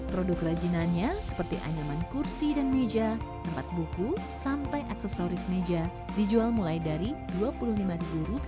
produk kerajinannya seperti anyaman kursi dan meja tempat buku sampai aksesoris meja dijual mulai dari rp dua puluh lima